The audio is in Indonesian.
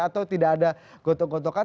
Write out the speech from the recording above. atau tidak ada gotong gotokan